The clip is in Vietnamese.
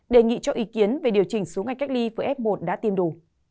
đề nghị cho ý kiến về điều chỉnh số ngày cách ly với f một đã tiêm đủ